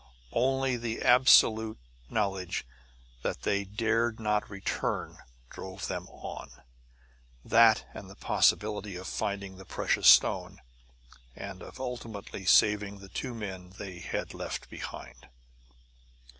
Only the absolute knowledge that they dared not return drove them on; that, and the possibility of finding the precious stone, and of ultimately saving the two men they had left behind.